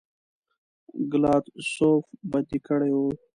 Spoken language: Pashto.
ګلادسوف بندي کړی وو.